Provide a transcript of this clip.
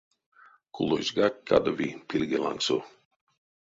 Кулозьгак кадови пильге лангсо.